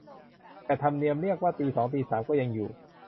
แต่ธรรมเนียมเรียกว่าตีสองตีสามก็ยังอยู่